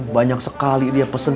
banyak sekali dia pesen